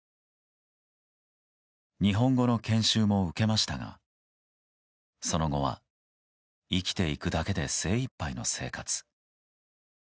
日本語の研修も受けましたがその後は生きていくだけで精いっぱいの生活。